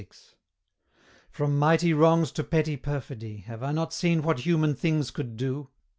From mighty wrongs to petty perfidy Have I not seen what human things could do?